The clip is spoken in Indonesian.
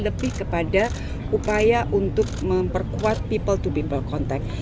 lebih kepada upaya untuk memperkuat people to people contact